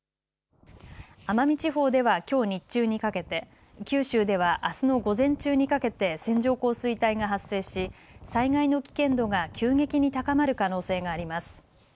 奄美地方ではきょう日中にかけて、九州ではあすの午前中にかけて、線状降水帯が発生し災害の危険度が急激に高まる可能性があります。